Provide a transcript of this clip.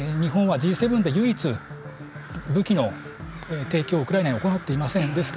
また、日本はＧ７で唯一武器の提供をウクライナに行っていません。